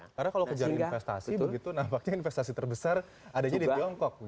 karena kalau kejar investasi begitu nampaknya investasi terbesar adanya di tiongkok